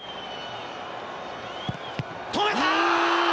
止めたー！